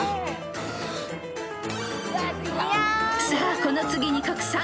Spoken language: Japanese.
［さあこの次に書く